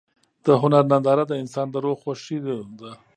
د هنر ننداره د انسان د روح خوښي ده.